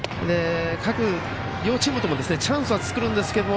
両チームともチャンスは作るんですけども